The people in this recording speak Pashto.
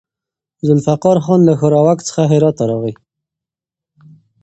ذوالفقار خان له ښوراوک څخه هرات ته راغی.